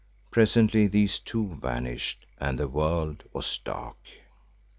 Presently these too vanished and the world was dark.